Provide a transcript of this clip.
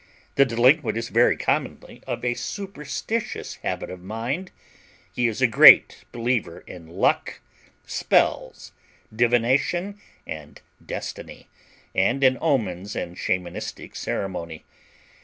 The delinquent is very commonly of a superstitious habit of mind; he is a great believer in luck, spells, divination and destiny, and in omens and shamanistic ceremony.